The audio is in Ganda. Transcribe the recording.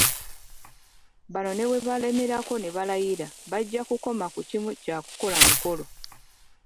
Bano ne bwe balemerako ne balayira, bajja kukoma ku kimu kya kukola mukolo